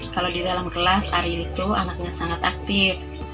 kalau di dalam kelas ari itu anaknya sangat aktif